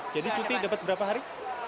jadi cuti dapat berapa hari